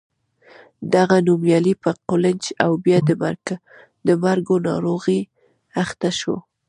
دغه نومیالی په قولنج او بیا د مرګو ناروغۍ اخته شو.